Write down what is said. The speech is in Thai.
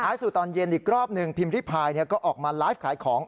สู่ตอนเย็นอีกรอบหนึ่งพิมพิพายก็ออกมาไลฟ์ขายของ